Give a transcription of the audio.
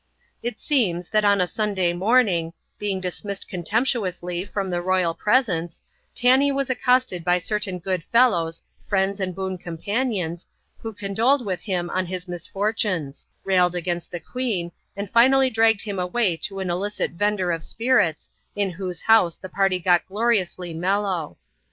It seems, that on a Sunday morning, being dismissed con temptuously from the royal presence, Tanee was accosted by certain good fellows, friends and boon companions, who con doled with him on his misfortunes — railed against the queen, and finally dragged him away to an illicit vender of spirits, in whose house the party got gloriously mellow.